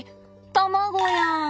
卵やん。